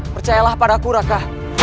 percayalah padaku raka